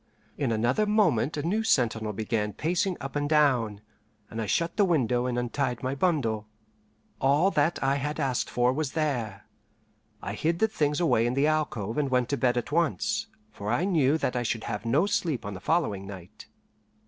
In another moment a new sentinel began pacing up and down, and I shut the window and untied my bundle. All that I had asked for was there. I hid the things away in the alcove and went to bed at once, for I knew that I should have no sleep on the following night.